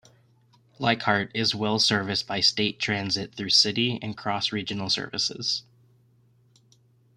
Leichhardt is well serviced by State Transit through city and cross regional services.